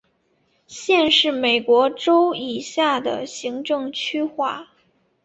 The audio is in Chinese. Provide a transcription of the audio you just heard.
县是美国州以下的行政区划。